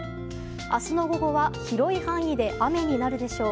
明日の午後は広い範囲で雨になるでしょう。